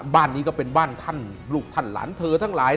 บ้านนี้ก็เป็นบ้านท่านลูกท่านหลานเธอทั้งหลาย